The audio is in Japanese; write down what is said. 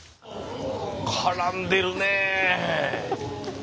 絡んでるね！